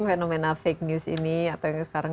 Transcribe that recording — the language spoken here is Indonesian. fenomena fake news ini atau yang sekarang